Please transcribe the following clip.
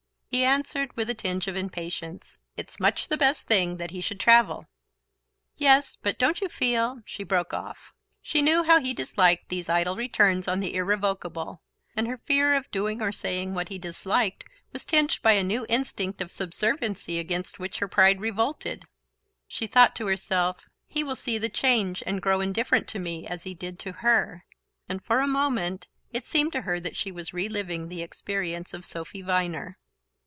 He answered, with a tinge of impatience: "It's much the best thing that he should travel." "Yes but don't you feel..." She broke off. She knew how he disliked these idle returns on the irrevocable, and her fear of doing or saying what he disliked was tinged by a new instinct of subserviency against which her pride revolted. She thought to herself: "He will see the change, and grow indifferent to me as he did to HER..." and for a moment it seemed to her that she was reliving the experience of Sophy Viner.